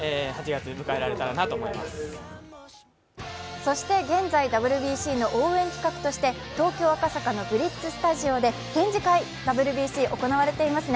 そして現在、ＷＢＣの応援企画として東京・赤坂のＢＬＩＴＺスタジオで展示会、ＷＢＣ行われていますね。